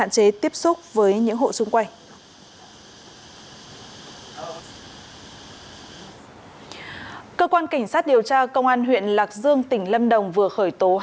cơ quan cảnh sát điều tra công an huyện lạc dương tỉnh lâm đồng vừa khởi tố